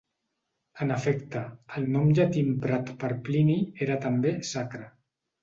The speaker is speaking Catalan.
En efecte, el nom llatí emprat per Plini era també "Sacra".